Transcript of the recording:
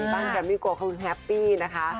กันกันไม่กลัวเขาก็คือแฮปปี้นะคะ